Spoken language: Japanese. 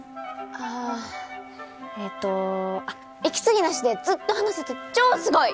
ああえとあっ息継ぎなしでずっと話せて超すごい。